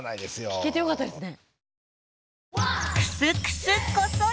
聞けてよかったですね。